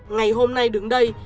ngày hôm nay đứng đây